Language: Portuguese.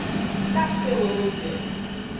Castelândia